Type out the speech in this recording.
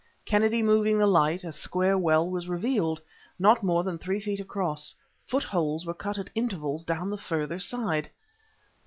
Kennedy moving the light, a square well was revealed, not more than three feet across. Foot holes were cut at intervals down the further side.